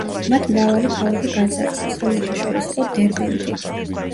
მათ მრავალი ქალაქი გაძარცვეს, რომელთა შორის იყო დერბენტი.